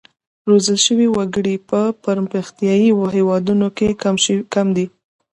روزل شوي وګړي په پرمختیايي هېوادونو کې کم دي.